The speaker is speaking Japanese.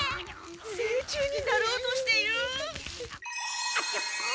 成虫になろうとしている！？